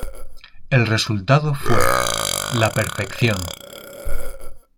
El resultado fue; la perfección.